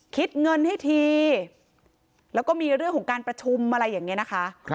คิดเงินให้ทีแล้วก็มีเรื่องของการประชุมอะไรอย่างนี้นะคะ